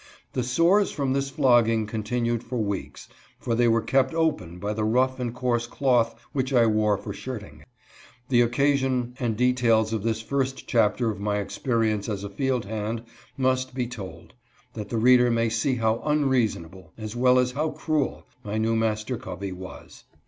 The sores from this flogging continued for weeks, for they were kept open by the rough and coarse cloth which I wore for shirting. The occasion and details of this first chapter of my experience as a field hand must be told, that the reader may see how unreasonable, as well as how cruel, my new Master Covey was.